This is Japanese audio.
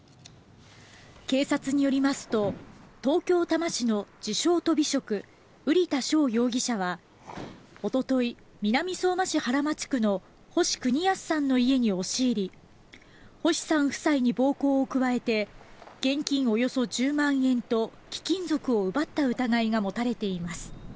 警察によりますと東京・多摩市の自称・とび職、瓜田翔容疑者はおととい、南相馬市原町区の星邦康さんの家に押し入り星さん夫妻に暴行を加えて現金およそ１０万円と貴金属を奪った疑いが持たれています。